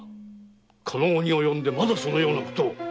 この期に及んでまだそのようなことを。